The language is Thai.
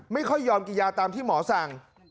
ไม่ยอมกินยาตามที่หมอสั่ง